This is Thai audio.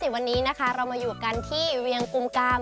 วันนี้นะคะเรามาอยู่กันที่เวียงกุมกาม